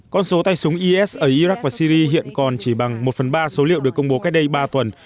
con số tay súng is ở iraq và syri hiện còn chỉ bằng một phần ba số liệu được công bố cách đây ba tuần